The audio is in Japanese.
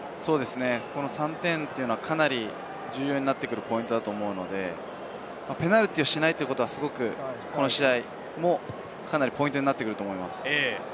この３点はかなり重要になってくるポイントだと思うので、ペナルティーをしないことは、すごくこの試合もかなりポイントになってくると思います。